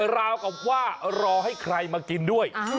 ราวกับว่ารอให้ใครมากินด้วย